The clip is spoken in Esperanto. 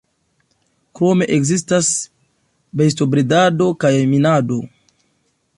Krome ekzistas bestobredado kaj minado.